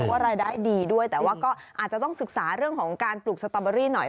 ว่ารายได้ดีด้วยแต่ว่าก็อาจจะต้องศึกษาเรื่องของการปลูกสตอเบอรี่หน่อย